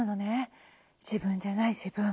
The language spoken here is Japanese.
自分じゃない自分。